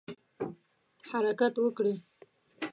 حرکت وکړي.